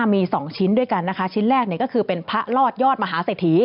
มี๒ชิ้นด้วยกันนะคะชิ้นแรกก็คือเป็นพระรอดยอดมหาเศรษฐี